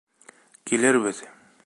Килербеҙ!